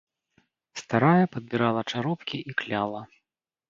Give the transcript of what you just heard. Старая падбірала чаропкі і кляла.